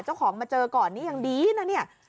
เจ้าของมาเจอก่อนนี่ยังดีนะเนี่ย